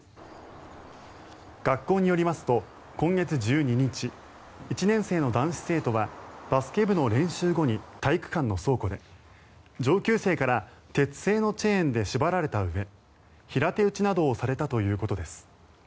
学校によりますと今月１２日、１年生の男子生徒はバスケ部の練習後に体育館の倉庫で上級生から鉄製のチェーンで縛られたうえ平手打ちなどをされたということです。